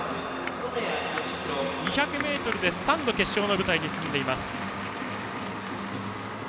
染谷佳大は２００ｍで３度決勝の舞台に進んでいます。